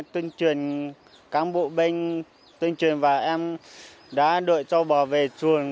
tuân truyền cán bộ bênh tuân truyền và em đã đội châu bò về chuồng